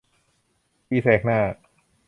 ตีแสกหน้า